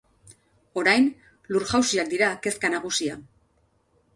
Orain, lur-jausiak dira kezka nagusia.